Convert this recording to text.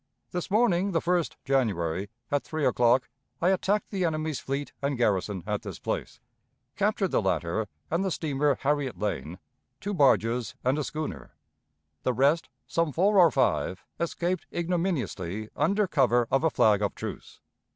"This morning, the 1st January, at three o'clock, I attacked the enemy's fleet and garrison at this place, captured the latter and the steamer Harriet Lane, two barges, and a schooner. The rest, some four or five, escaped ignominiously under cover of a flag of truce.